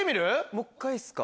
もう一回いいっすか？